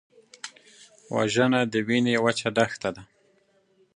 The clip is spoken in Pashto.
وژنه د وینې وچه دښته ده